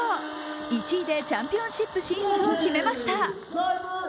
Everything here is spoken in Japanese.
１位でチャンピオンシップ進出を決めました。